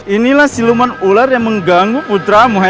inilah siluman ular yang mengganggu putramu ya